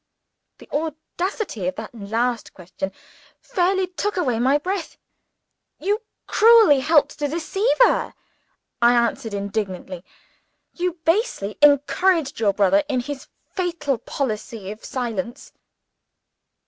The audacity of that last question fairly took away my breath. "You cruelly helped to deceive her," I answered indignantly. "You basely encouraged your brother in his fatal policy of silence."